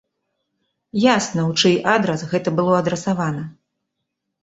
Ясна, у чый адрас гэта было адрасавана.